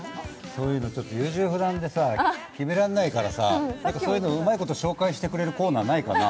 そういうの、ちょっと優柔不断で決められないからさ、うまいこと紹介してくれるコーナーないかな？